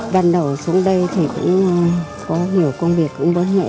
văn đầu xuống đây thì cũng có nhiều công việc cũng bất ngỡ